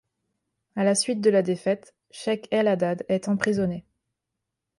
À la suite de la défaite, Cheikh El Haddad est emprisonné.